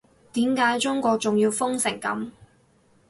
點解中國仲要封成噉